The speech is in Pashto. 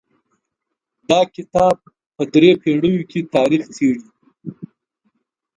دا کتاب په درې پېړیو کې تاریخ څیړي.